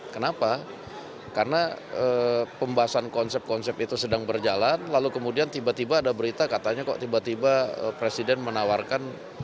kenapa karena pembahasan konsep konsep itu sedang berjalan lalu kemudian tiba tiba ada berita katanya kok tiba tiba presiden menawarkan